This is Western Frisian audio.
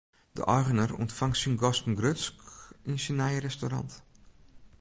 De eigener ûntfangt syn gasten grutsk yn syn nije restaurant.